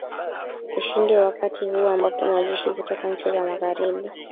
ushindi wakti huo ambapo majeshi kutoka nchi za magharibi